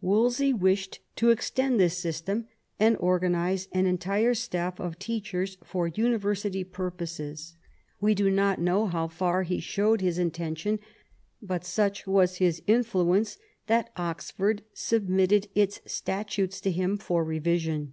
Wolsey wished to extend this system and organise an entire staff of'./ teachers for university purposes. We do not know how far he showed his intention, but such was his influence that Oxford submitted its statutes to him for revision.